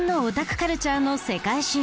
カルチャーの世界進出。